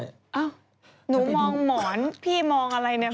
เอ้าหนูมองหมอนพี่มองอะไรเนี่ย